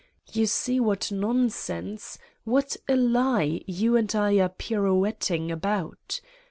You see what nonsense, what a lie you and I are pirouetting about